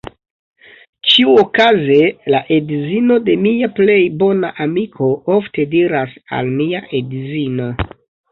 Ĉiuokaze la edzino de mia plej bona amiko ofte diras al mia edzino: